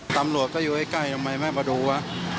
ตำรวจก็อยู่ใกล้ทำไมไม่มาดูวะ